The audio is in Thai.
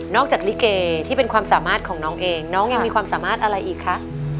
จากลิเกที่เป็นความสามารถของน้องเองน้องยังมีความสามารถอะไรอีกคะ